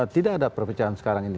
tidak ada perpecahan sekarang ini